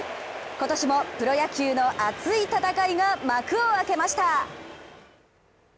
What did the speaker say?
今年もプロ野球の熱い戦いが幕を開けました。